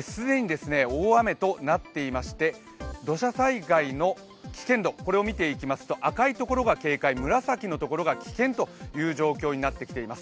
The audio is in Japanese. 既に大雨となっていまして、土砂災害の危険度を見ていきますと赤いところが警戒、紫のところが危険ということになっています。